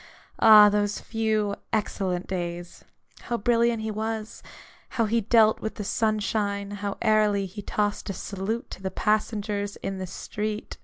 Ah, those few excellent days ! How brilliant he was ; how he dealt with the sunshine ; how airily he tossed a salute to the passengers in the street